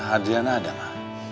adriana ada ma